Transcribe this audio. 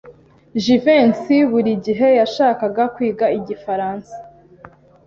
Jivency buri gihe yashakaga kwiga igifaransa.